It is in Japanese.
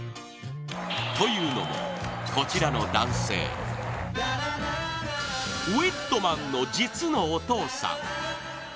というのも、こちらの男性ウィットマンの実のお父さん。